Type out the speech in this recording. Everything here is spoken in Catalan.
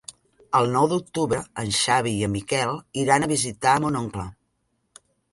El nou d'octubre en Xavi i en Miquel iran a visitar mon oncle.